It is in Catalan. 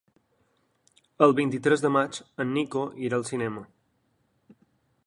El vint-i-tres de maig en Nico irà al cinema.